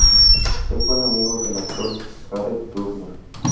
Es buen amigo del actor Jared Turner.